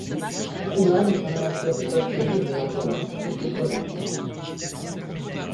Truman est un amateur des cocktails mélangeant whisky et cola.